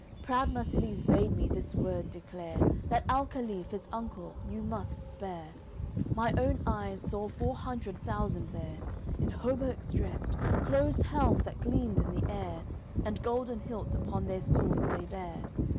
Proud Marsilies bade me this word declare That alcaliph, his uncle, you must spare. My own eyes saw four hundred thousand there, In hauberks dressed, closed helms that gleamed in the air, And golden hilts upon their swords they bare.